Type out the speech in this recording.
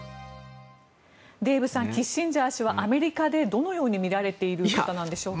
デーブさんキッシンジャー氏はアメリカでどのように見られている方なんでしょうか。